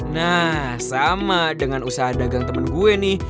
nah sama dengan usaha dagang temen gue nih